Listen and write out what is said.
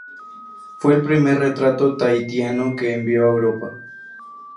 Fue el primer retrato tahitiano que envió a Europa.